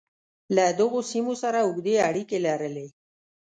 له دغو سیمو سره اوږدې اړیکې لرلې.